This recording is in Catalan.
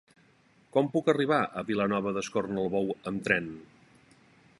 Com puc arribar a Vilanova d'Escornalbou amb tren?